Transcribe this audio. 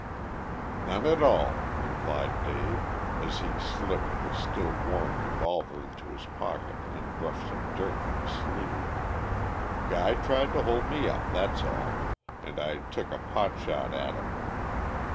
"None at all," replied Dave, as he slipped the still warm revolver into his pocket and brushed some dirt from his sleeve. "Guy tried to hold me up, that's all, and I took a pot shot at him.